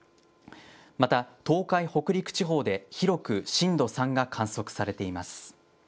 また東海北陸地方で広く震度３が観測されています。